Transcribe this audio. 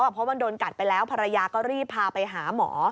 เพราะมันโดนกัดไปแล้วภรรยาก็รีบพาไปหาหมอ